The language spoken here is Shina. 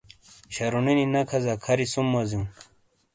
شَرُونی نی نے کھازا کھَری سُم وازیوں۔